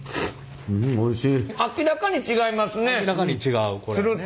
明らかに違いますね！